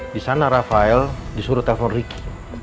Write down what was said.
di sana rafael disuruh telepon ricky